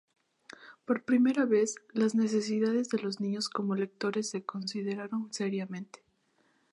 Por primera vez, las necesidades de los niños como lectores de consideraron seriamente.